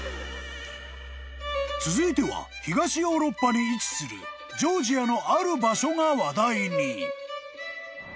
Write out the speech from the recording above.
［続いては東ヨーロッパに位置するジョージアのある場所が話題に］